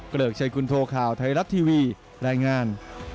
เกริกชัยกุณโทข่าวไทยรัฐทีวีรายงาน